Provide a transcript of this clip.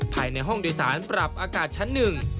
ภายในห้องโดยสารปรับอากาศชั้นหนึ่ง